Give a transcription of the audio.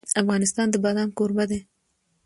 افغانستان د بادام کوربه دی.